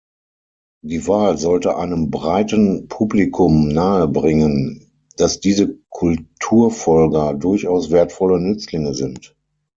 Die Wahl sollte einem breiten Publikum nahebringen, dass diese Kulturfolger durchaus wertvolle Nützlinge sind.